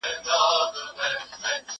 زه به اوږده موده مېوې خوړلې وم